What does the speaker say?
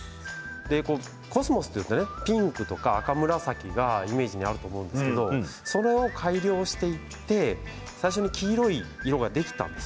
コスモスというとピンク赤紫がイメージにあると思うんですけれどそれを改良していって最初に黄色い色ができたんです。